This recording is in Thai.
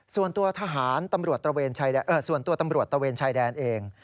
ส่วนตัวตำรวจตะเวนชายแดนเอง